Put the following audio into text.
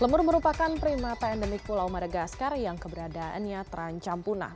lemur merupakan prima pandemik pulau madagaskar yang keberadaannya terancam punah